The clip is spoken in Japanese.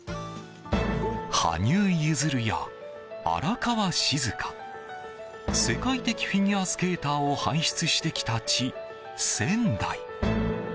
羽生結弦や荒川静香世界的フィギュアスケーターを輩出してきた地、仙台。